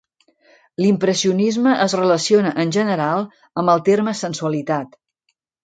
L'impressionisme es relaciona, en general, amb el terme sensualitat.